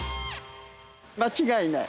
間違いない。